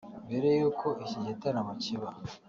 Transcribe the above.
Mbere y’uko iki gitaramo kiba